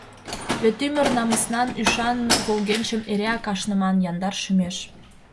Вет ӱмыр намыснан ӱшан волгенчым Эреак ашныман яндар шӱмеш.